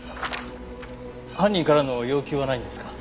犯人からの要求はないんですか？